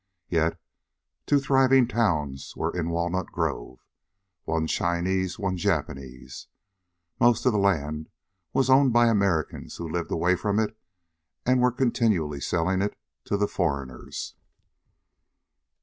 Yet two thriving towns were in Walnut Grove, one Chinese, one Japanese. Most of the land was owned by Americans, who lived away from it and were continually selling it to the foreigners.